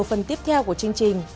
ở phần tiếp theo của chương trình